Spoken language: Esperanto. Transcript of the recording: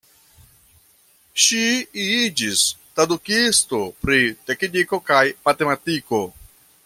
Ŝi iĝis tradukisto pri tekniko kaj matematiko.